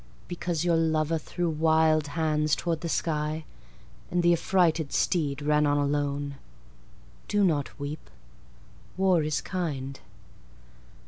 Because your lover threw wild hands toward the sky And the affrighted steed ran on alone, Do not weep. War is kind.